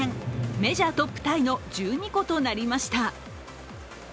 メジャートップタイの１２個となりました。